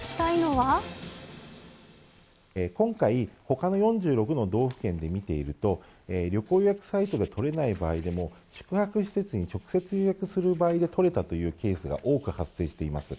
今回、ほかの４６の道府県で見ていると、旅行予約サイトで取れない場合でも、宿泊施設に直接予約する場合で、取れたというケースが多く発生しています。